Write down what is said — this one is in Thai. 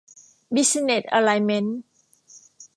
บิสซิเนสอะไลเม้นท์